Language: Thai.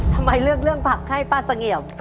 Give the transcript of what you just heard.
ทำไมเลือกเรื่องผักให้ป้าเสงี่ยม